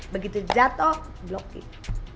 begitu jatuh block it